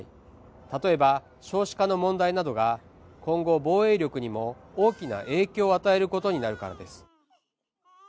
例えば少子化の問題などが今後防衛力にも大きな影響を与えることになるからです